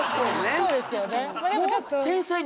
そうですよね